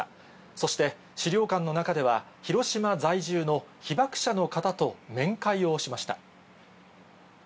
そして資料館の中では、広島在住の被爆者の方と面会をしました。